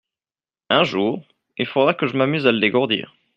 Un jour, il faudra que je m’amuse à le dégourdir.